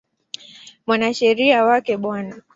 Mwanasheria wake Bw.